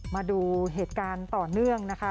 มาดูเหตุการณ์ต่อเนื่องนะคะ